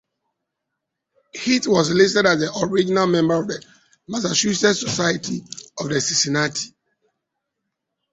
Heath was listed as an original member of the Massachusetts Society of the Cincinnati.